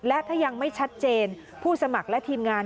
และถ้ายังไม่ชัดเจนผู้สมัครและทีมงาน